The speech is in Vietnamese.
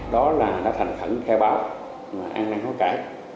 đó là nó thành khẩn theo báo an năng hóa cãi